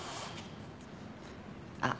あっ。